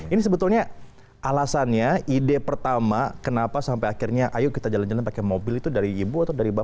ini sebetulnya alasannya ide pertama kenapa sampai akhirnya ayo kita jalan jalan pakai mobil itu dari ibu atau dari bapak